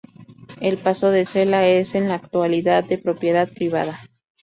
El Pazo de Cela es en la actualidad de propiedad privada.